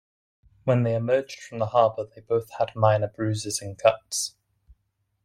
When they emerged from the harbour they both had minor bruises and cuts.